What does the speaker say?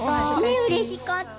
うれしかった。